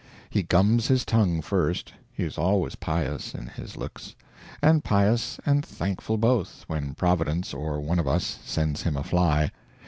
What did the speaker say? He gums his tongue first. He is always pious, in his looks. And pious and thankful both, when Providence or one of us sends him a fly.